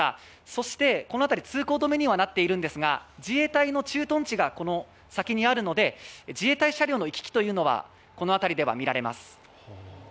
そしてこの辺り、通行止めにはなっているんですが、自衛隊の駐屯地がこの先にあるので自衛隊車両の行き来というのは、この辺りでは見られます。